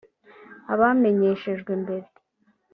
Abamenyeshejwe mbere